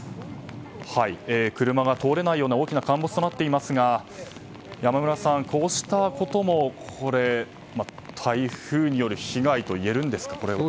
車が通れないような大きな陥没となっていますが山村さん、こうしたことも台風による被害といえるんですか。